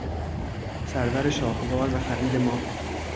سرور شاهوار و فقید ما